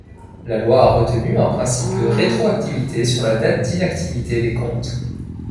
La loi a retenu un principe de rétroactivité sur la date d’inactivité des comptes.